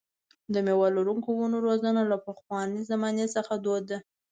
د مېوه لرونکو ونو روزنه له پخوانۍ زمانې څخه دود ده.